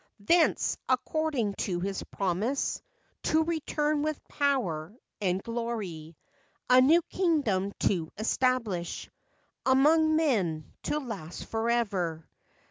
Thence, according to his promise, To return with power, and glory, A new kingdom to establish Among men, to last forever.